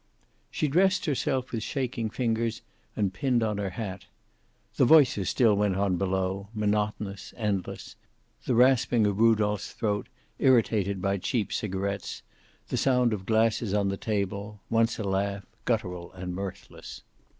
She dressed herself, with shaking fingers, and pinned on her hat. The voices still went on below, monotonous, endless; the rasping of Rudolph's throat, irritated by cheap cigarets, the sound of glasses on the table, once a laugh, guttural and mirthless.